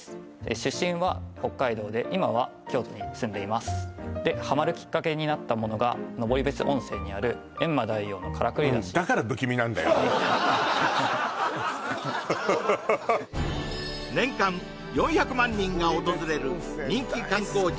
出身は北海道で今は京都に住んでいますでハマるきっかけになったものが登別温泉にある閻魔大王のからくり山車年間４００万人が訪れる人気観光地